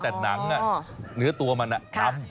แต่หนังเนื้อตัวมันดำ